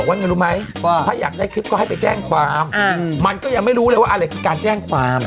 ว่าไงรู้ไหมถ้าอยากได้คลิปก็ให้ไปแจ้งความมันก็ยังไม่รู้เลยว่าอะไรคือการแจ้งความ